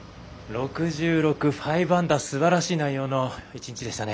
６６、５アンダーすばらしい内容の１日でしたね。